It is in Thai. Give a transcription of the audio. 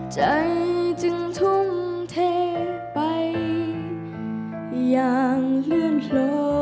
ใจจึงทุ่มเทไปอย่างเลื่อนคลอ